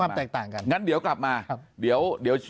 ปากกับภาคภูมิ